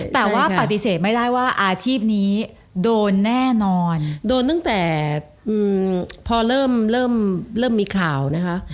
แต่ว่าปฏิเสธไม่ได้ว่าอาชีพนี้โดนแน่นอนโดนตั้งแต่พอเริ่มเริ่มมีข่าวนะคะ